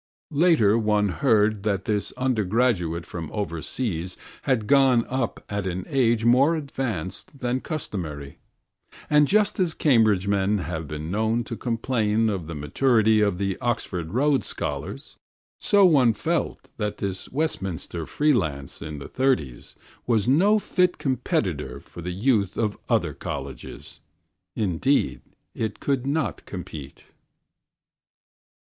Later one heard that this undergraduate from overseas had gone up at an age more advanced than customary; and just as Cambridge men have been known to complain of the maturity of Oxford Rhodes scholars, so one felt that this WESTMINSTER free lance in the thirties was no fit competitor for the youth of other colleges. Indeed, it could not compete.